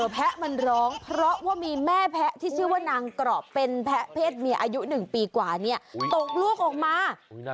แพะมันร้องเพราะว่ามีแม่แพะที่ชื่อว่านางกรอบเป็นแพะเพศเมียอายุ๑ปีกว่าเนี่ยตกลูกออกมา